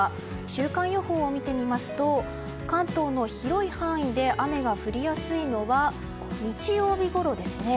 週間予報を見てみますと関東の広い範囲で雨が降りやすいのは日曜日ごろですね。